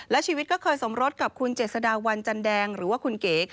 และชีวิตก็เคยสมรสกับคุณเจษฎาวันจันแดงหรือว่าคุณเก๋